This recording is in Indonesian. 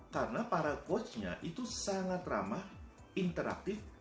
karena para coachnya itu sangat ramah interaktif